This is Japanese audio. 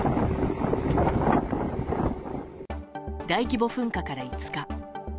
大規模噴火から５日。